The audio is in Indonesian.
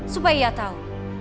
supaya ia tahu